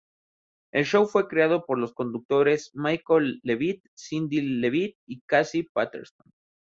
El show fue creado por los productores Michael Levitt, Cindy Levitt y Casey Patterson.